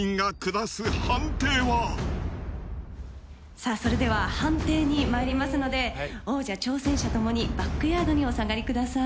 さあそれでは判定にまいりますので王者挑戦者ともにバックヤードにお下がりください。